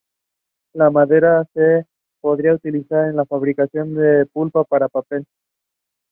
Those who viewed pornography were more likely to masturbate.